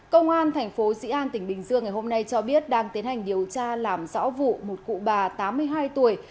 công an tp dian tỉnh bình dương ngày hôm nay cho biết đang tiến hành điều tra làm rõ vụ một cụ bà tám mươi hai tuổi